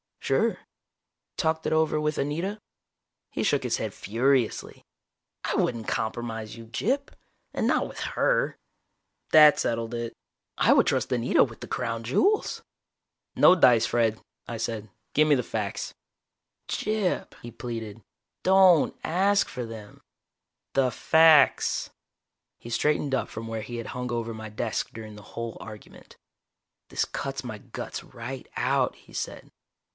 "Sure." "Talked it over with Anita?" He shook his head furiously. "I wouldn't compromise you, Gyp, and not with her!" That settled it. I would trust Anita with the crown jewels. "No dice, Fred," I said. "Give me the facts." "Gyp," he pleaded. "Don't ask for them!" "The facts!" He straightened up from where he had hung over my desk during the whole argument. "This cuts my guts right out," he said.